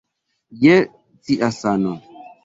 Je cia sano!